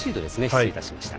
失礼いたしました。